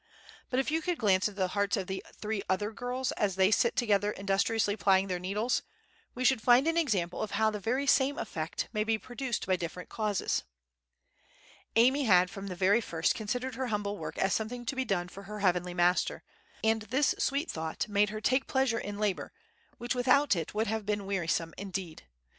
But if you could glance into the hearts of the three other girls as they sit together industriously plying their needles, we should find an example of how the very same effect may be produced by different causes. Amy had from the very first considered her humble work as something to be done for her Heavenly Master, and this sweet thought made her take pleasure in labor, which without it would have been wearisome indeed.